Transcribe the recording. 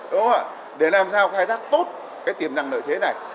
đó là để làm sao khai thác tốt cái tiềm năng nợ thế này